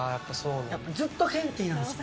ずっとケンティーなんですよ。